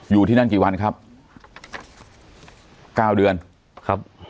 อยู่ที่นั่นกี่วันครับเก้าเดือนครับ